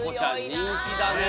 人気だね。